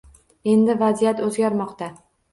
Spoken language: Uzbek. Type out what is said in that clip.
Endi vaziyat o'zgarmoqda